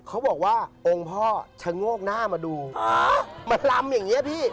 เขาบอกว่าองค์พ่อชะโงกหน้ามาดูมาลำอย่างนี้พี่